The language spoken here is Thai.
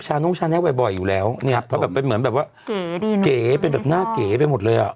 น้องชาแนกบ่อยบ่อยอยู่แล้วเนี่ยเพราะแบบเป็นเหมือนแบบว่าเก๋ดีเก๋เป็นแบบหน้าเก๋ไปหมดเลยอ่ะ